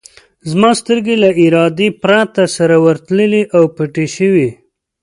زما سترګې له ارادې پرته سره ورتللې او پټې شوې.